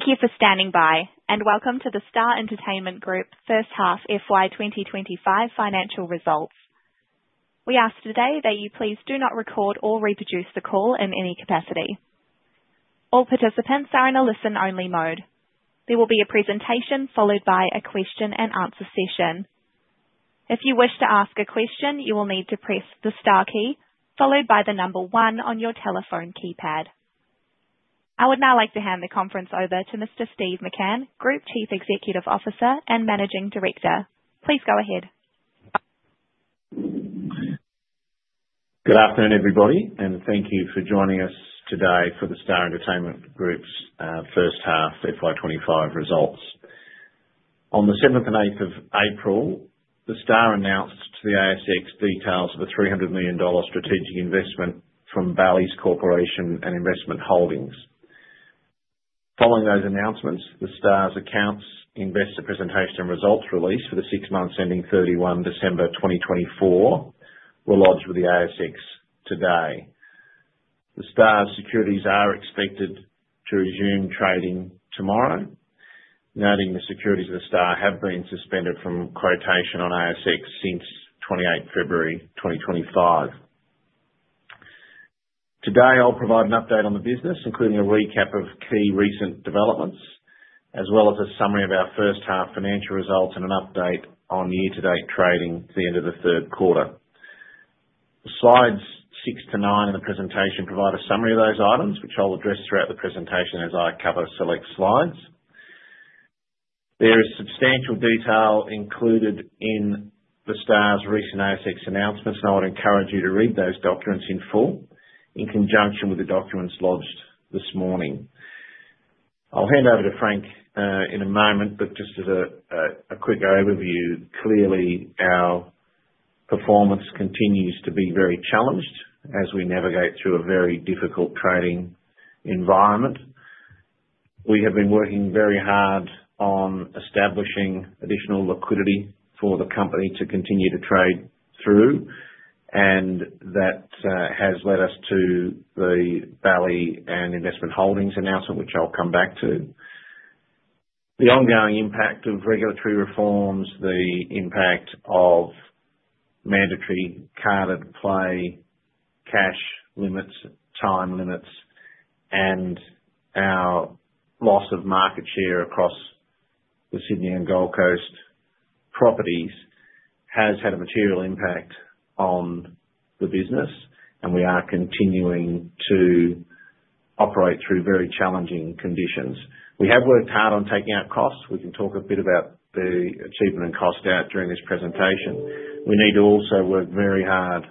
Thank you for standing by, and welcome to The Star Entertainment Group first half FY 2025 financial results. We ask today that you please do not record or reproduce the call in any capacity. All participants are in a listen-only mode. There will be a presentation followed by a question-and-answer session. If you wish to ask a question, you will need to press the star key followed by the number one on your telephone keypad. I would now like to hand the conference over to Mr. Steve McCann, Group Chief Executive Officer and Managing Director. Please go ahead. Good afternoon, everybody, and thank you for joining us today for The Star Entertainment Group's first half FY 2025 results. On the 7th and 8th of April, The Star announced to the ASX details of a $300 million strategic investment from Bally's Corporation and Investment Holdings. Following those announcements, The Star's accounts investor presentation and results release for the six months ending 31 December 2024 were lodged with the ASX today. The Star's securities are expected to resume trading tomorrow, noting the securities of The Star have been suspended from quotation on ASX since 28 February 2025. Today, I'll provide an update on the business, including a recap of key recent developments, as well as a summary of our first half financial results and an update on year-to-date trading to the end of the third quarter. Slides six to nine in the presentation provide a summary of those items, which I'll address throughout the presentation as I cover select slides. There is substantial detail included in the Star's recent ASX announcements, and I would encourage you to read those documents in full in conjunction with the documents lodged this morning. I'll hand over to Frank in a moment, but just as a quick overview, clearly our performance continues to be very challenged as we navigate through a very difficult trading environment. We have been working very hard on establishing additional liquidity for the company to continue to trade through, and that has led us to the Bally's and Investment Holdings announcement, which I'll come back to. The ongoing impact of regulatory reforms, the impact of mandatory carded play cash limits, time limits, and our loss of market share across the Sydney and Gold Coast properties has had a material impact on the business, and we are continuing to operate through very challenging conditions. We have worked hard on taking out costs. We can talk a bit about the achievement and cost out during this presentation. We need to also work very hard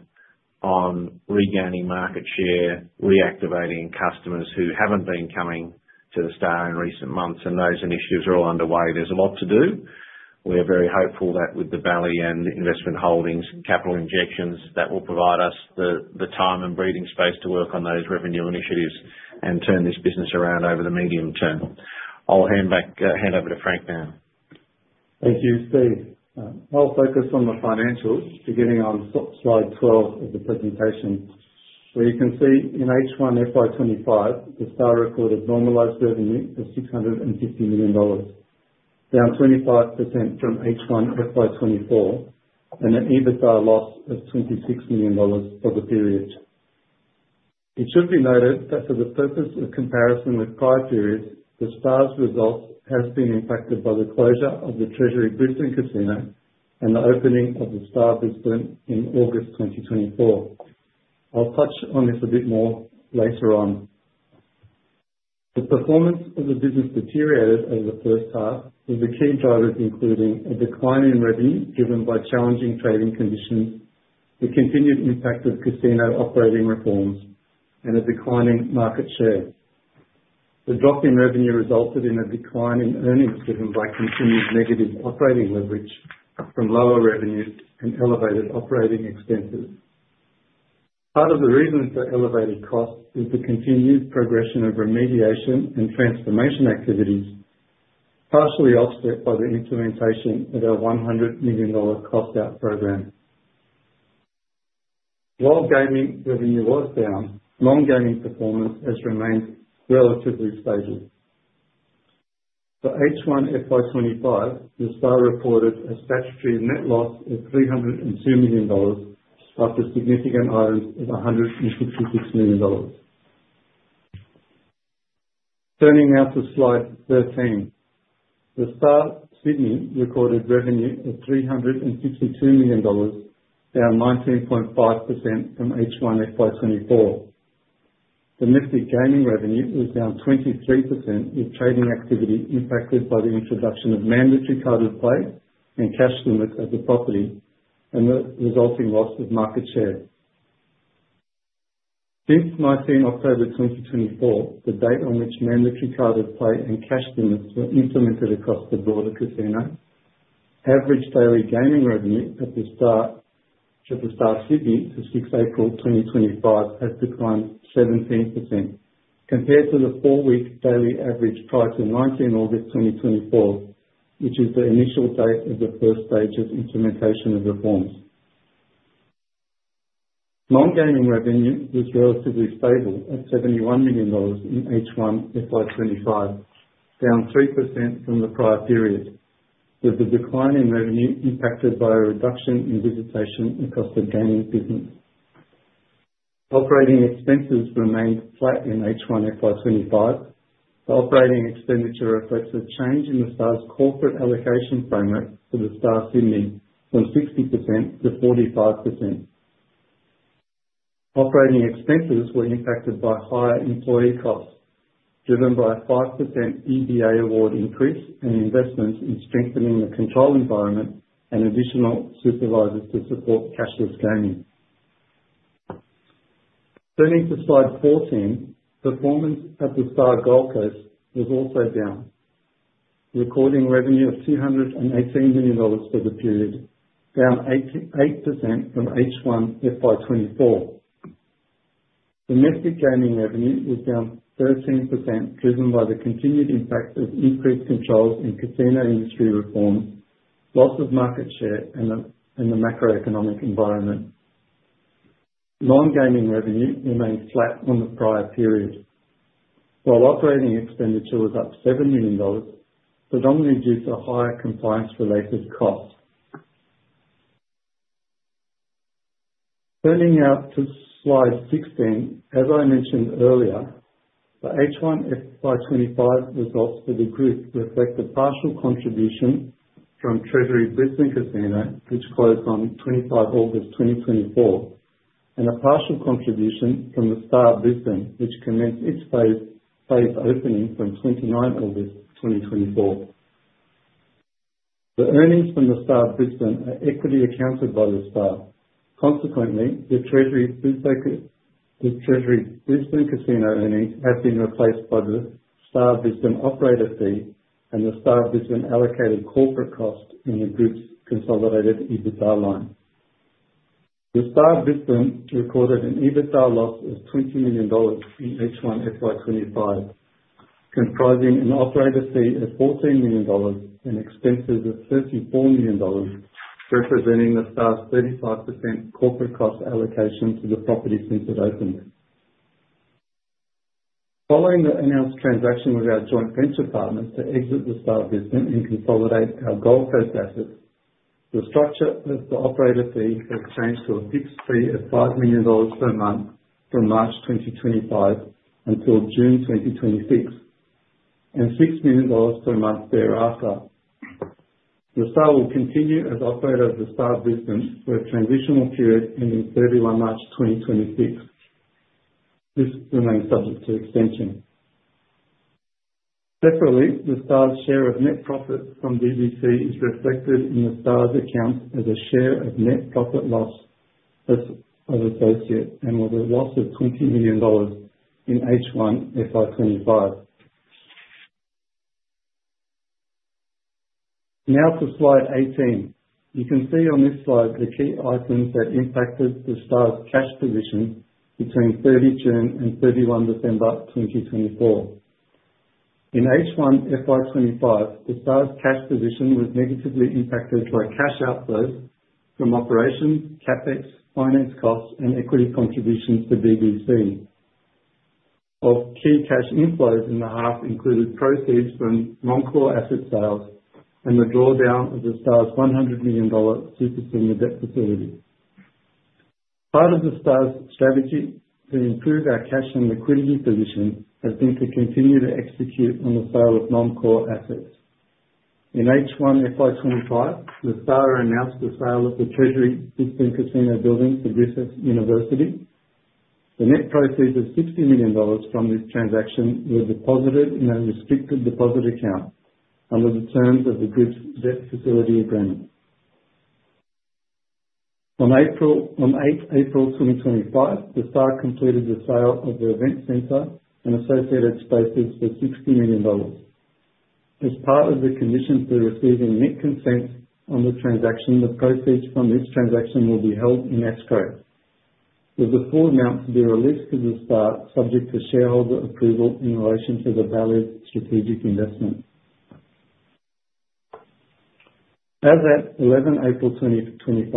on regaining market share, reactivating customers who have not been coming to the Star in recent months, and those initiatives are all underway. There is a lot to do. We are very hopeful that with the Bally's and Investment Holdings capital injections, that will provide us the time and breathing space to work on those revenue initiatives and turn this business around over the medium term. I'll hand over to Frank now. Thank you, Steve. I'll focus on the financials beginning on slide 12 of the presentation. You can see in H1 FY 2025, The Star recorded normalized revenue of $650 million, down 25% from H1 FY 2024, and an EBITDA loss of $26 million for the period. It should be noted that for the purpose of comparison with prior periods, The Star's results have been impacted by the closure of the Treasury Brisbane Casino and the opening of Star Brisbane in August 2024. I'll touch on this a bit more later on. The performance of the business deteriorated over the first half with the key drivers including a decline in revenue driven by challenging trading conditions, the continued impact of casino operating reforms, and a declining market share. The drop in revenue resulted in a decline in earnings driven by continued negative operating leverage from lower revenues and elevated operating expenses. Part of the reason for elevated costs is the continued progression of remediation and transformation activities, partially offset by the implementation of our $100 million cost-out program. While gaming revenue was down, non-gaming performance has remained relatively stable. For H1 FY 2025, The Star reported a statutory net loss of $302 million after significant items of $166 million. Turning now to slide 13, The Star Sydney recorded revenue of $362 million, down 19.5% from H1 FY 2024. Domestic gaming revenue was down 23%, with trading activity impacted by the introduction of mandatory carded play and cash limits at the property and the resulting loss of market share. Since 19 October 2024, the date on which mandatory carded play and cash limits were implemented across the broader casino, average daily gaming revenue at The Star Sydney to 6 April 2025 has declined 17% compared to the four-week daily average prior to 19 August 2024, which is the initial date of the first stage of implementation of reforms. Non-gaming revenue was relatively stable at $71 million in H1 FY 2025, down 3% from the prior period, with the decline in revenue impacted by a reduction in visitation across the gaming business. Operating expenses remained flat in H1 FY 2025. The operating expenditure reflects a change in The Star's corporate allocation framework for The Star Sydney from 60% to 45%. Operating expenses were impacted by higher employee costs driven by a 5% EBA award increase and investments in strengthening the control environment and additional supervisors to support cashless gaming. Turning to slide 14, performance at the Star Gold Coast was also down, recording revenue of $218 million for the period, down 8% from H1 FY 2024. Domestic gaming revenue was down 13% driven by the continued impact of increased controls in casino industry reform, loss of market share, and the macroeconomic environment. Non-gaming revenue remained flat on the prior period, while operating expenditure was up $7 million, predominantly due to higher compliance-related costs. Turning now to slide 16, as I mentioned earlier, the H1 FY 2025 results for the group reflect a partial contribution from Treasury Brisbane Casino, which closed on 25 August 2024, and a partial contribution from the Star Brisbane, which commenced its phase opening from 29 August 2024. The earnings from the Star Brisbane are equity accounted by the Star. Consequently, the Treasury Brisbane Casino earnings have been replaced by the Star Brisbane operator fee and the Star Brisbane allocated corporate costs in the group's consolidated EBITDA line. The Star Brisbane recorded an EBITDA loss of $20 million in H1 FY 2025, comprising an operator fee of $14 million and expenses of $34 million, representing the Star's 35% corporate cost allocation to the property since it opened. Following the announced transaction with our joint venture partners to exit the Star Brisbane and consolidate our Gold Coast assets, the structure of the operator fee has changed to a fixed fee of $5 million per month from March 2025 until June 2026, and $6 million per month thereafter. The Star will continue as operator of the Star Brisbane for a transitional period ending 31 March 2026. This remains subject to extension. Separately, the Star's share of net profit from DBC is reflected in the Star's accounts as a share of net profit loss of associates and was a loss of $20 million in H1 FY 2025. Now to slide 18. You can see on this slide the key items that impacted the Star's cash position between 30 June and 31 December 2024. In H1 FY 2025, The Star's cash position was negatively impacted by cash outflows from operations, CapEx, finance costs, and equity contributions to DBC. Of key cash inflows in the half included proceeds from non-core asset sales and the drawdown of The Star's $100 million super senior debt facility. Part of The Star's strategy to improve our cash and liquidity position has been to continue to execute on the sale of non-core assets. In H1 FY 2025, The Star announced the sale of the Treasury Brisbane Casino building to Griffith University. The net proceeds of $60 million from this transaction were deposited in a restricted deposit account under the terms of the group's debt facility agreement. On 8 April 2025, The Star completed the sale of the event center and associated spaces for $60 million. As part of the conditions for receiving net consent on the transaction, the proceeds from this transaction will be held in escrow. There is a full amount to be released to The Star, subject to shareholder approval in relation to the Bally's strategic investment. As of 11 April 2025,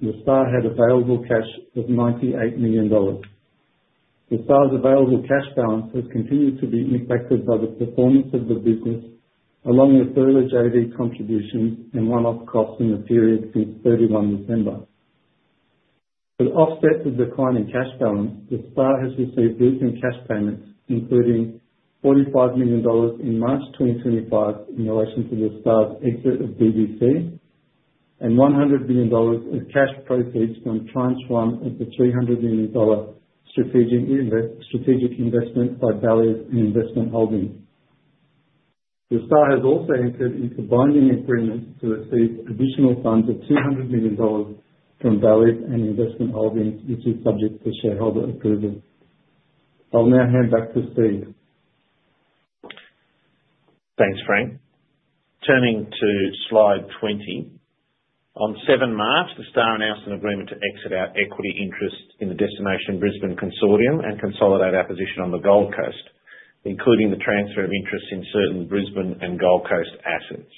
The Star had available cash of $98 million. The Star's available cash balance has continued to be impacted by the performance of the business, along with early JV contributions and one-off costs in the period since 31 December. To offset the declining cash balance, The Star has received recent cash payments, including $45 million in March 2025 in relation to The Star's exit of DBC and $100 million of cash proceeds from tranche one of the $300 million strategic investment by Bally's and Investment Holdings. The Star has also entered into binding agreements to receive additional funds of $200 million from Bally's and Investment Holdings, which is subject to shareholder approval. I'll now hand back to Steve. Thanks, Frank. Turning to slide 20. On 7 March, The Star announced an agreement to exit our equity interest in the Destination Brisbane Consortium and consolidate our position on the Gold Coast, including the transfer of interest in certain Brisbane and Gold Coast assets.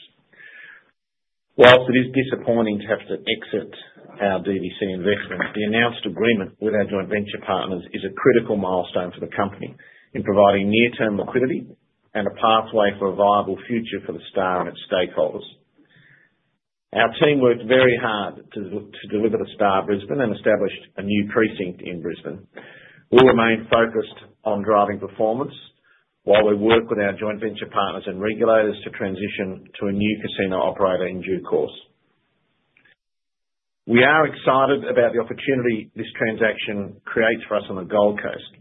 Whilst it is disappointing to have to exit our DBC investment, the announced agreement with our joint venture partners is a critical milestone for the company in providing near-term liquidity and a pathway for a viable future for The Star and its stakeholders. Our team worked very hard to deliver The Star Brisbane and established a new precinct in Brisbane. We'll remain focused on driving performance while we work with our joint venture partners and regulators to transition to a new casino operator in due course. We are excited about the opportunity this transaction creates for us on the Gold Coast,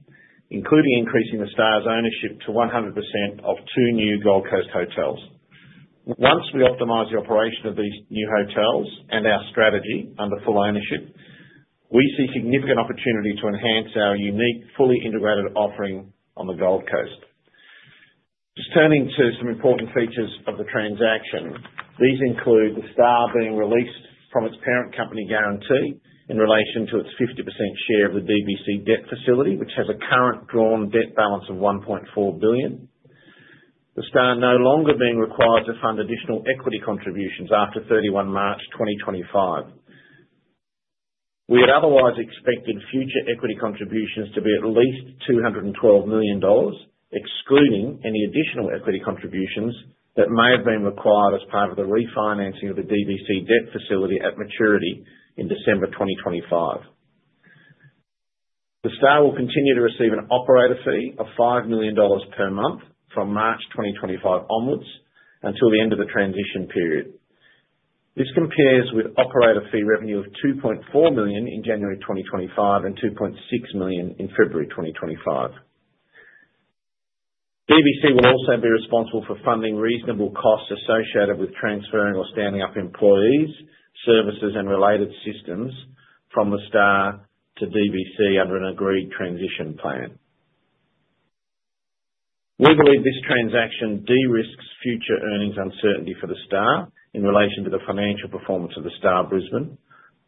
including increasing The Star's ownership to 100% of two new Gold Coast hotels. Once we optimize the operation of these new hotels and our strategy under full ownership, we see significant opportunity to enhance our unique, fully integrated offering on the Gold Coast. Just turning to some important features of the transaction, these include The Star being released from its parent company guarantee in relation to its 50% share of the DBC debt facility, which has a current drawn debt balance of $1.4 billion. The Star is no longer being required to fund additional equity contributions after 31 March 2025. We had otherwise expected future equity contributions to be at least $212 million, excluding any additional equity contributions that may have been required as part of the refinancing of the DBC debt facility at maturity in December 2025. The Star will continue to receive an operator fee of $5 million per month from March 2025 onwards until the end of the transition period. This compares with operator fee revenue of $2.4 million in January 2025 and $2.6 million in February 2025. DBC will also be responsible for funding reasonable costs associated with transferring or standing up employees, services, and related systems from The Star to DBC under an agreed transition plan. We believe this transaction de-risks future earnings uncertainty for The Star in relation to the financial performance of Star Brisbane,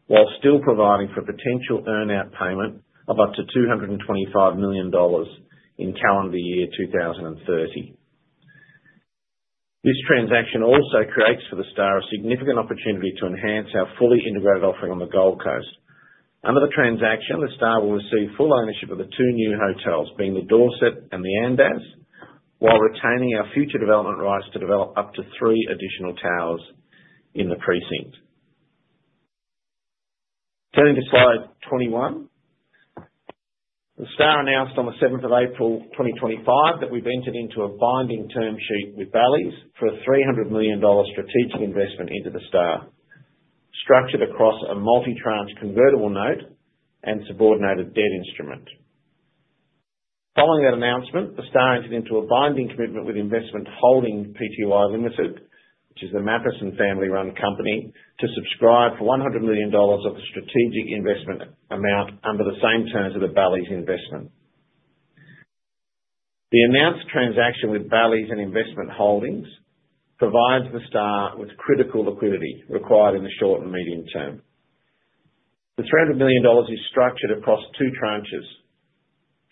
while still providing for potential earn-out payment of up to $225 million in calendar year 2030. This transaction also creates for The Star a significant opportunity to enhance our fully integrated offering on the Gold Coast. Under the transaction, The Star will receive full ownership of the two new hotels, being the Dorsett and the Andaz, while retaining our future development rights to develop up to three additional towers in the precinct, turning to slide 21. The Star announced on the 7th of April 2025 that we've entered into a binding term sheet with Bally's for an $300 million strategic investment into The Star, structured across a multi-tranche convertible note and subordinated debt instrument. Following that announcement, The Star entered into a binding commitment with Investment Holdings PTY Limited, which is the Matheson family-run company, to subscribe for $100 million of the strategic investment amount under the same terms of the Bally's investment. The announced transaction with Bally's and Investment Holdings provides The Star with critical liquidity required in the short and medium term. The $300 million is structured across two tranches.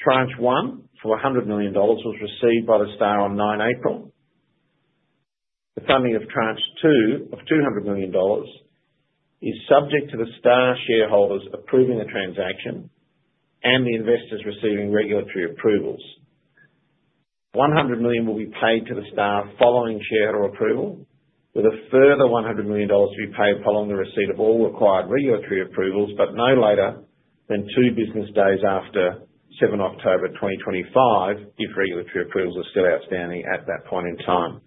Tranche one for $100 million was received by The Star on 9 April. The funding of tranche two of $200 million is subject to The Star shareholders approving the transaction and the investors receiving regulatory approvals. $100 million will be paid to The Star following shareholder approval, with a further $100 million to be paid following the receipt of all required regulatory approvals, but no later than two business days after 7 October 2025, if regulatory approvals are still outstanding at that point in time.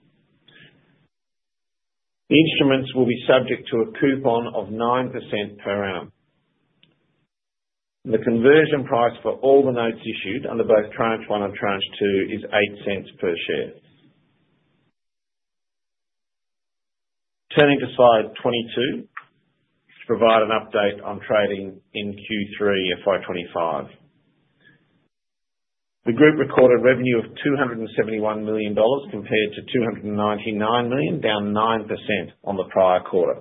The instruments will be subject to a coupon of 9% per annum. The conversion price for all the notes issued under both tranche one and tranche two is $0.08 per share. Turning to slide 22 to provide an update on trading in Q3 FY 2025, the group recorded revenue of $271 million compared to $299 million, down 9% on the prior quarter.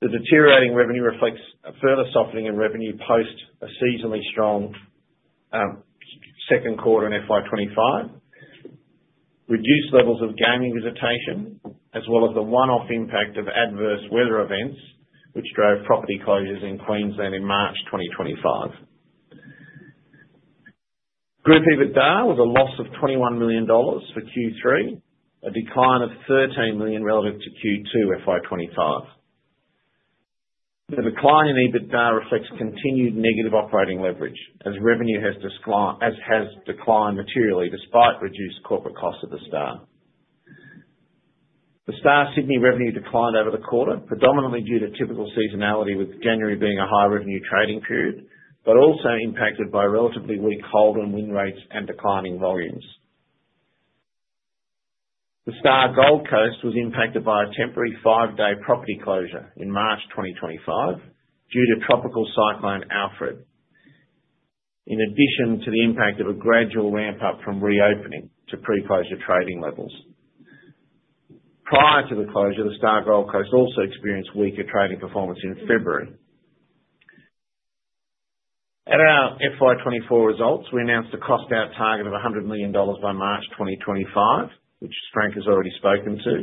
The deteriorating revenue reflects a further softening in revenue post a seasonally strong second quarter in FY 2025, reduced levels of gaming visitation, as well as the one-off impact of adverse weather events, which drove property closures in Queensland in March 2025. Group EBITDA was a loss of $21 million for Q3, a decline of $13 million relative to Q2 FY 2025. The decline in EBITDA reflects continued negative operating leverage, as revenue has declined materially despite reduced corporate costs of The Star. The Star Sydney revenue declined over the quarter, predominantly due to typical seasonality, with January being a high-revenue trading period, but also impacted by relatively weak hold-on win rates and declining volumes. The Star Gold Coast was impacted by a temporary five-day property closure in March 2025 due to tropical cyclone Alfred, in addition to the impact of a gradual ramp-up from reopening to pre-closure trading levels. Prior to the closure, the Star Gold Coast also experienced weaker trading performance in February. At our FY 24 results, we announced a cost-out target of $100 million by March 2025, which Frank has already spoken to.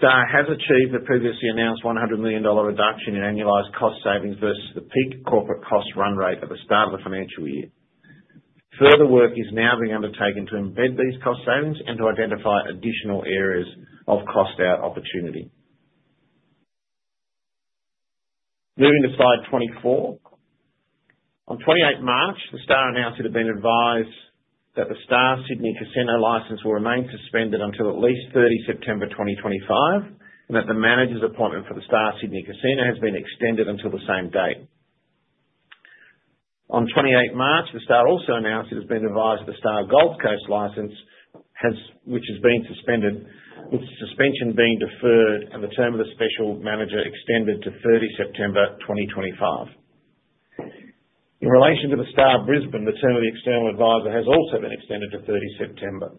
The Star has achieved the previously announced $100 million reduction in annualized cost savings versus the peak corporate cost run rate at the start of the financial year. Further work is now being undertaken to embed these cost savings and to identify additional areas of cost-out opportunity. Moving to slide 24. On 28 March, The Star announced it had been advised that the Star Sydney Casino license will remain suspended until at least 30 September 2025, and that the manager's appointment for the Star Sydney Casino has been extended until the same date. On 28 March, The Star also announced it has been advised that the Star Gold Coast license, which has been suspended, with suspension being deferred and the term of the special manager extended to 30 September 2025. In relation to the Star Brisbane, the term of the external advisor has also been extended to 30 September.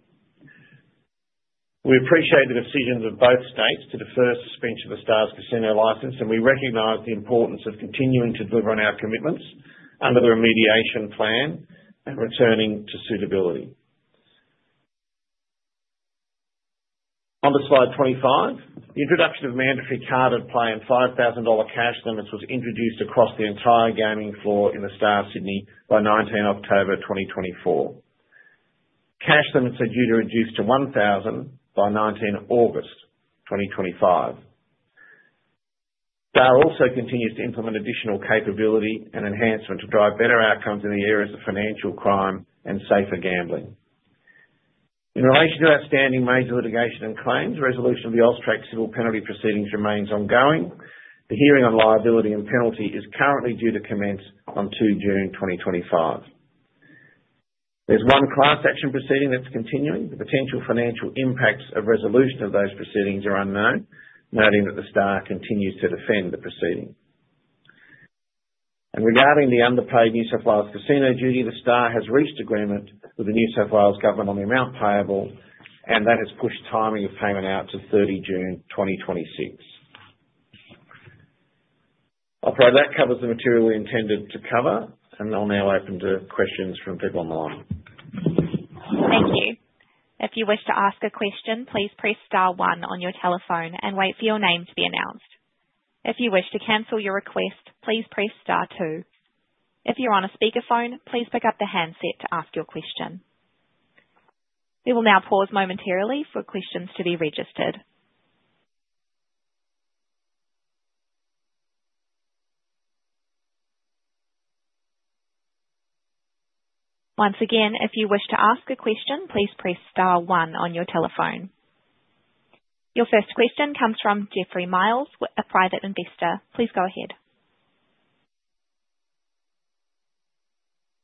We appreciate the decisions of both states to defer suspension of The Star's casino license, and we recognize the importance of continuing to deliver on our commitments under the remediation plan and returning to suitability. On slide 25, the introduction of mandatory carded play and $5,000 cash limits was introduced across the entire gaming floor in Star Sydney by 19 October 2024. Cash limits are due to reduce to $1,000 by 19 August 2025. The Star also continues to implement additional capability and enhancement to drive better outcomes in the areas of financial crime and safer gambling. In relation to outstanding major litigation and claims, resolution of the AUSTRAC civil penalty proceedings remains ongoing. The hearing on liability and penalty is currently due to commence on 2 June 2025. There's one class action proceeding that's continuing. The potential financial impacts of resolution of those proceedings are unknown, noting that The Star continues to defend the proceeding. Regarding the underpaid New South Wales casino duty, The Star has reached agreement with the New South Wales government on the amount payable, and that has pushed timing of payment out to 30 June 2026. I believe that covers the material we intended to cover, and I'll now open to questions from people on the line. Thank you. If you wish to ask a question, please press star one on your telephone and wait for your name to be announced. If you wish to cancel your request, please press Star two. If you're on a speakerphone, please pick up the handset to ask your question. We will now pause momentarily for questions to be registered. Once again, if you wish to ask a question, please press star one on your telephone. Your first question comes from Jeffrey Miles, a private investor. Please go ahead.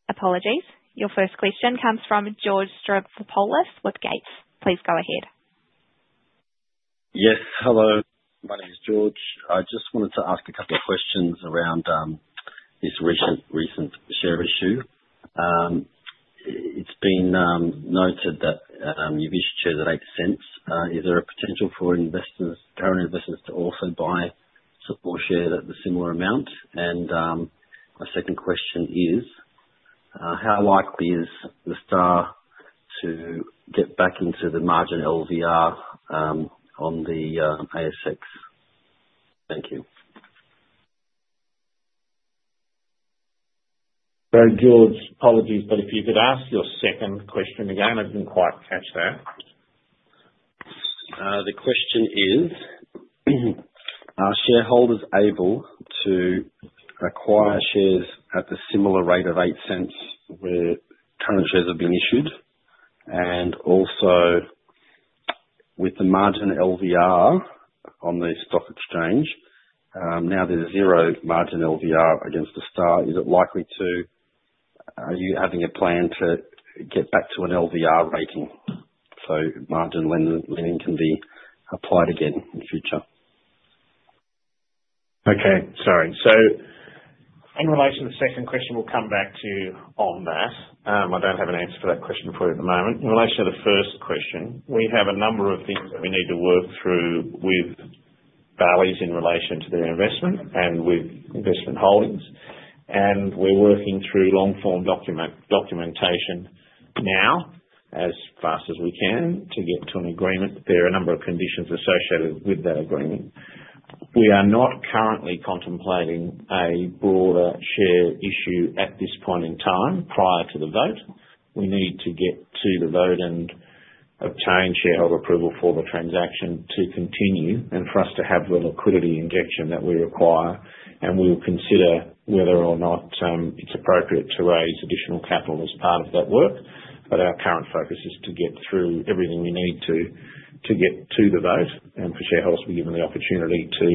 Apologies. Your first question comes from George Stroblopoulos with Gates. Please go ahead. Yes, hello. My name is George. I just wanted to ask a couple of questions around this recent share issue. It's been noted that you've issued shares at $0.08. Is there a potential for current investors to also buy support shares at the similar amount? My second question is, how likely is the Star to get back into the margin LVR on the ASX? Thank you. Sorry, George. Apologies, but if you could ask your second question again. I didn't quite catch that. The question is, are shareholders able to acquire shares at the similar rate of $0.08 where current shares have been issued? Also, with the margin LVR on the stock exchange, now there is zero margin LVR against The Star. Is it likely to—are you having a plan to get back to an LVR rating so margin lending can be applied again in the future? Okay. Sorry. In relation to the second question, we'll come back to you on that. I don't have an answer for that question for you at the moment. In relation to the first question, we have a number of things that we need to work through with Bally's in relation to their investment and with Investment Holdings. We're working through long-form documentation now as fast as we can to get to an agreement. There are a number of conditions associated with that agreement. We are not currently contemplating a broader share issue at this point in time prior to the vote. We need to get to the vote and obtain shareholder approval for the transaction to continue and for us to have the liquidity injection that we require. We'll consider whether or not it's appropriate to raise additional capital as part of that work. Our current focus is to get through everything we need to to get to the vote. For shareholders, we've given the opportunity to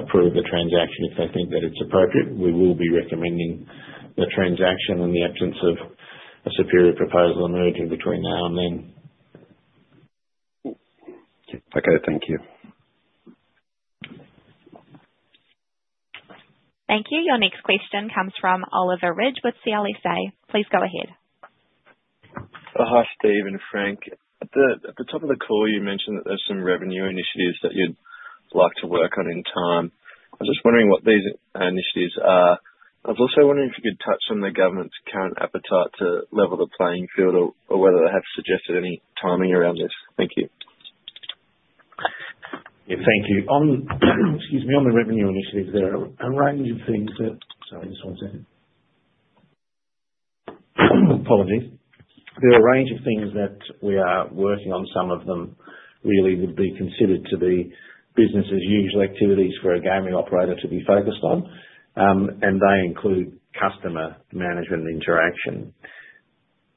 approve the transaction if they think that it's appropriate. We will be recommending the transaction in the absence of a superior proposal emerging between now and then. Okay. Thank you. Thank you. Your next question comes from Oliver Ridge with CLSA. Please go ahead. Hi, Steve and Frank. At the top of the call, you mentioned that there's some revenue initiatives that you'd like to work on in time. I was just wondering what these initiatives are. I was also wondering if you could touch on the government's current appetite to level the playing field or whether they have suggested any timing around this. Thank you. Thank you. Excuse me. On the revenue initiatives, there are a range of things that—sorry, just one second. Apologies. There are a range of things that we are working on. Some of them really would be considered to be business-as-usual activities for a gaming operator to be focused on, and they include customer management interaction.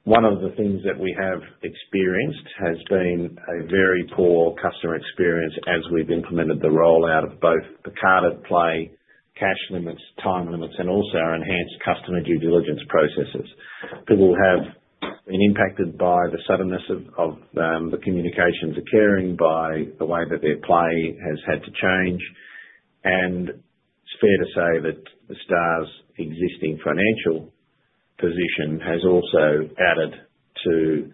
One of the things that we have experienced has been a very poor customer experience as we've implemented the rollout of both the carded play, cash limits, time limits, and also our enhanced customer due diligence processes. People have been impacted by the suddenness of the communications, occurring by the way that their play has had to change. It is fair to say that the Star's existing financial position has also added to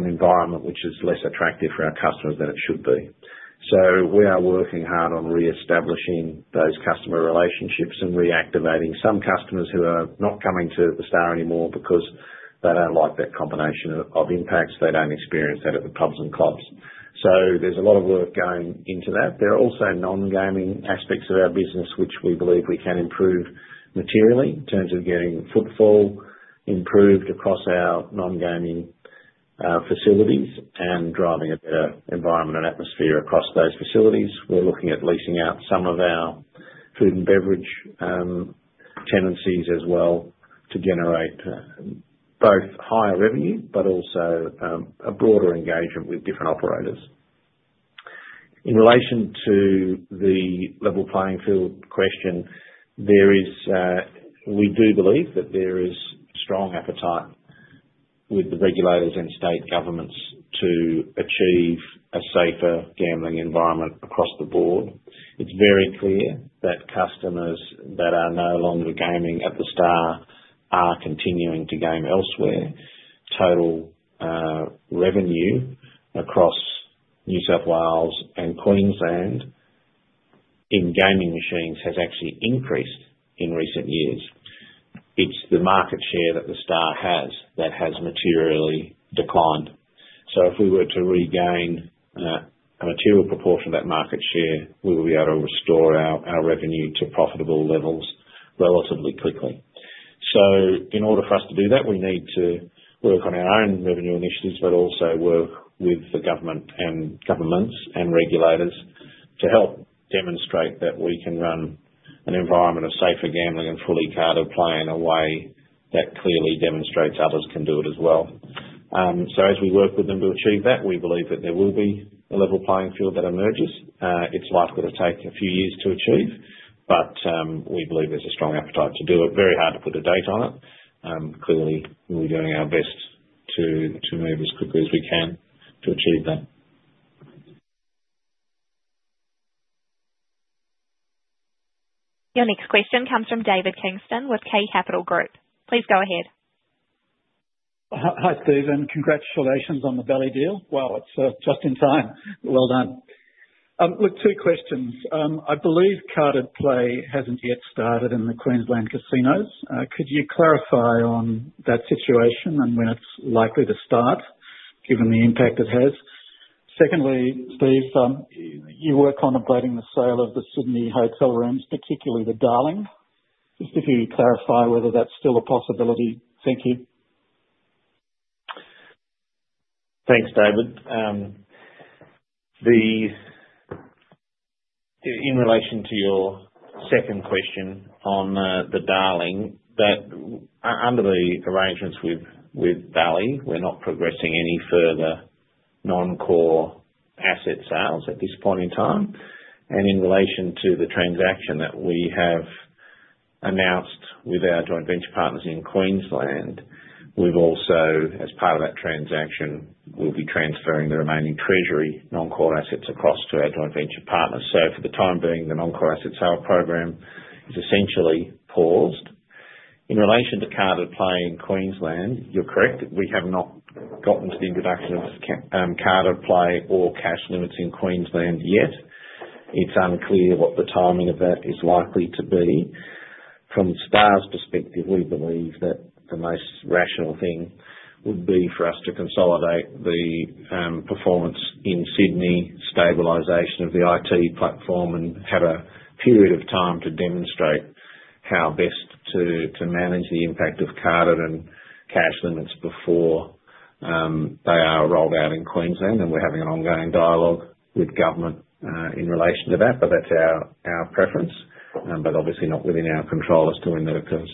an environment which is less attractive for our customers than it should be. We are working hard on reestablishing those customer relationships and reactivating some customers who are not coming to the Star anymore because they do not like that combination of impacts. They do not experience that at the pubs and clubs. There is a lot of work going into that. There are also non-gaming aspects of our business which we believe we can improve materially in terms of getting footfall improved across our non-gaming facilities and driving a better environment and atmosphere across those facilities. We are looking at leasing out some of our food and beverage tenancies as well to generate both higher revenue but also a broader engagement with different operators. In relation to the level playing field question, we do believe that there is strong appetite with the regulators and state governments to achieve a safer gambling environment across the board. It's very clear that customers that are no longer gaming at The Star are continuing to game elsewhere. Total revenue across New South Wales and Queensland in gaming machines has actually increased in recent years. It's the market share that The Star has that has materially declined. If we were to regain a material proportion of that market share, we will be able to restore our revenue to profitable levels relatively quickly. In order for us to do that, we need to work on our own revenue initiatives but also work with the government and governments and regulators to help demonstrate that we can run an environment of safer gambling and fully carded play in a way that clearly demonstrates others can do it as well. As we work with them to achieve that, we believe that there will be a level playing field that emerges. It's likely to take a few years to achieve, but we believe there's a strong appetite to do it. Very hard to put a date on it. Clearly, we'll be doing our best to move as quickly as we can to achieve that. Your next question comes from David Kingston with K Capital Group. Please go ahead. Hi, Steve. Congratulations on the Bally's deal. Wow, it's just in time. Well done. Look, two questions. I believe carded play hasn't yet started in the Queensland casinos. Could you clarify on that situation and when it's likely to start, given the impact it has? Secondly, Steve, you work on upgrading the sale of the Sydney hotel rooms, particularly The Darling. Just if you clarify whether that's still a possibility. Thank you. Thanks, David. In relation to your second question on the Darling, under the arrangements with Bally's, we're not progressing any further non-core asset sales at this point in time. In relation to the transaction that we have announced with our joint venture partners in Queensland, we have also, as part of that transaction, we'll be transferring the remaining Treasury non-core assets across to our joint venture partners. For the time being, the non-core asset sale program is essentially paused. In relation to carded play in Queensland, you're correct. We have not gotten to the introduction of carded play or cash limits in Queensland yet. It's unclear what the timing of that is likely to be. From The Star's perspective, we believe that the most rational thing would be for us to consolidate the performance in Sydney, stabilization of the IT platform, and have a period of time to demonstrate how best to manage the impact of carded and cash limits before they are rolled out in Queensland. We are having an ongoing dialogue with government in relation to that, but that is our preference. Obviously, it is not within our control as to when that occurs.